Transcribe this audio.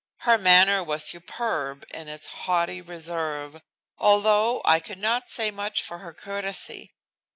Her manner was superb in its haughty reserve, although I could not say much for her courtesy.